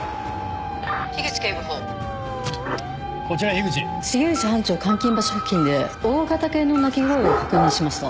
重藤班長監禁場所付近で大型犬の鳴き声を確認しました。